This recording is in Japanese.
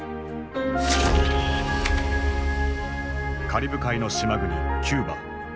カリブ海の島国キューバ。